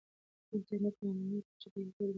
انټرنیټ معلومات په چټکۍ سره رسوي.